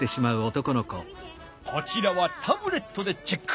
こちらはタブレットでチェック。